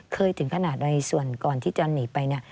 เคยถึงขนาดในส่วนก่อนที่จะหนีไป